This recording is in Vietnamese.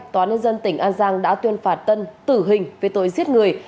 tòa nhân dân tỉnh an giang đã tuyên phạt tân tử hình về tội giết người